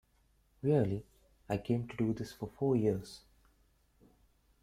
Really, I came to do this for four years.